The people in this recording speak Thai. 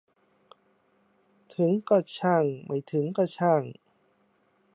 ถึงก็ช่างไม่ถึงก็ช่าง